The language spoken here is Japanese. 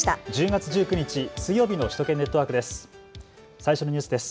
１０月１９日、水曜日の首都圏ネットワークです。